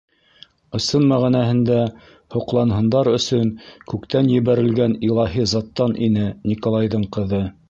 Ысын мәғәнәһендә һоҡланһындар өсөн күктән ергә ебәрелгән илаһи заттан ине Николайҙың ҡыҙы.